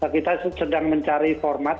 kita sedang mencari format